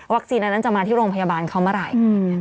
อันนั้นจะมาที่โรงพยาบาลเขาเมื่อไหร่